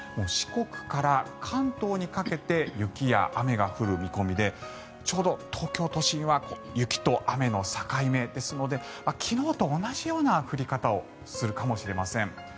四国から関東にかけて雪や雨が降る見込みでちょうど東京都心は雪と雨の境目ですので昨日と同じような降り方をするかもしれません。